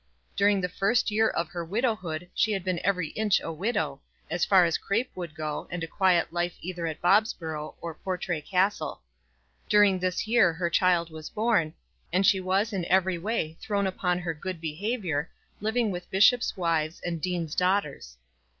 During the first year of her widowhood she had been every inch a widow, as far as crape would go, and a quiet life either at Bobsborough or Portray Castle. During this year her child was born, and she was in every way thrown upon her good behaviour, living with bishops' wives and deans' daughters.